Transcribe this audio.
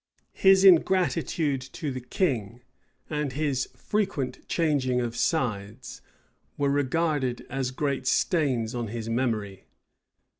His ingratitude to the king, and his frequent changing of sides, were regarded as great stains on his memory.